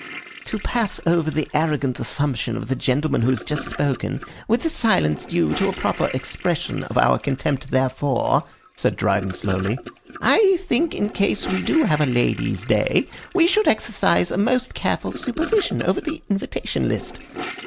"To pass over the arrogant assumption of the gentleman who has just spoken, with the silence due to a proper expression of our contempt therefor," said Dryden, slowly, "I think in case we do have a ladies' day here we should exercise a most careful supervision over the invitation list.